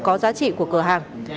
có giá trị của cửa hàng